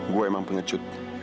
gue emang pengecut